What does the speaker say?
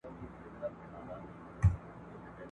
د ژورو اوبو غېږ کي یې غوټې سوې !.